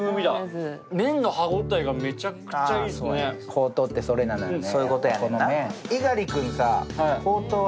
ほうとうってそれなのよね。